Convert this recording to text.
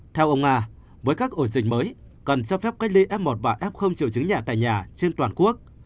theo ông nga với các ổ dịch mới cần cho phép cách ly f một và f triệu chứng nhẹ tại nhà trên toàn quốc